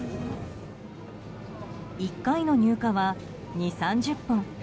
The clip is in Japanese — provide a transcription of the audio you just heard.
１回の入荷は２０３０本。